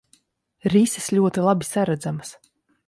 Rises ļoti labi saredzamas.